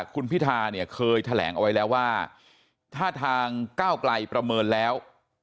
คุณพิธาเนี่ยเคยแถลงเอาไว้แล้วว่าถ้าทางก้าวไกลประเมินแล้ว